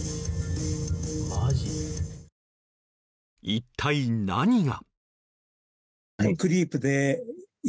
一体何が？